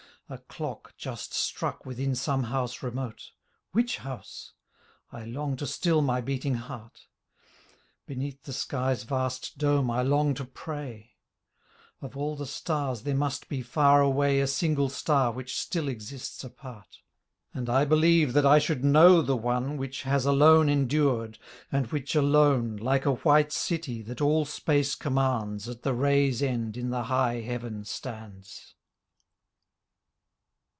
A clock just struck within some house remote. Which house? — I long to still my beating heart. Beneath the sky's vast dome I long to pray ... Of all the stars there must be far away A single star which still exists apart. And I believe that I should know the one Which has alone endured and which alone Like a white City that all space commands At the ray's end in the high heaven stands.